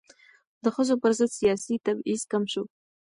د ښځو پر ضد سیاسي تبعیض کم شو.